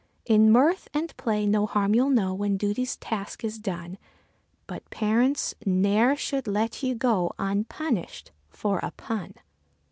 In mirth and play no harm you'll know when duty's task is done; But parents ne'er should let ye go un_pun_ished for a PUN.